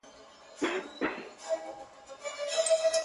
شیخ ته ورکوي شراب کشیش ته د زمزمو جام-